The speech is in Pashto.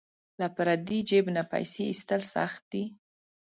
له پردي جیب نه پیسې ایستل سخت دي.